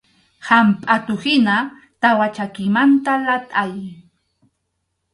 Hampʼatuhina tawa chakimanta latʼay.